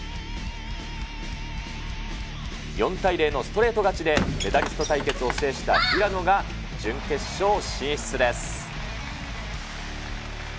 ４対０のストレート勝ちで、メダリスト対決を制した平野が、準決勝進出です。